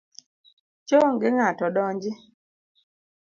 Cho onge ng’ato donji.